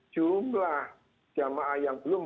jumlah jamaah yang belum